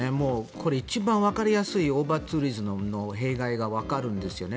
これ、一番わかりやすいオーバーツーリズムの弊害がわかるんですよね。